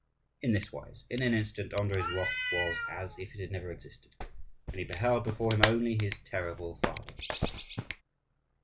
In this wise, in an instant, Andrii's wrath was as if it had never existed. And he beheld before him only his terrible father.